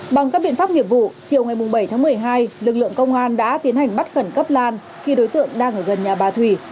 bằng các biện pháp nghiệp vụ chiều ngày bảy tháng một mươi hai lực lượng công an đã tiến hành bắt khẩn cấp lan khi đối tượng đang ở gần nhà bà thủy